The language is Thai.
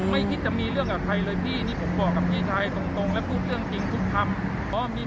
ไม่คิดจะมีเรื่องกับใครเลยพี่นี่ผมบอกกับพี่ชายตรงและพูดเรื่องจริงทุกคำ